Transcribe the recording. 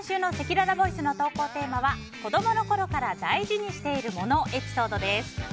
今週のせきららボイスの投稿テーマは子供の頃から大事にしている物エピソードです。